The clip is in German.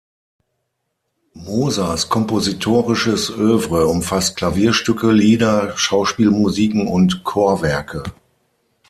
Mosers kompositorisches Œuvre umfasst Klavierstücke, Lieder, Schauspielmusiken und Chorwerke.